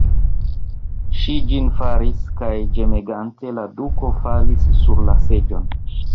Ŝi ĝin faris, kaj ĝemegante la duko falis sur la seĝon.